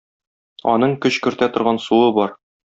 Аның көч кертә торган суы бар.